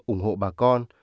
ủng hộ bà con